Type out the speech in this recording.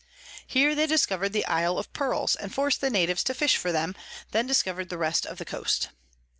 Here they discover'd the Isle of Pearls, and forc'd the Natives to fish for them, and then discover'd the rest of the Coast.